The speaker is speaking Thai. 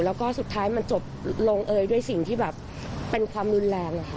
แล้วก็สุดท้ายมันจบลงเอยด้วยสิ่งที่แบบเป็นความรุนแรงค่ะ